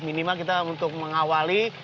minimal kita untuk mengawali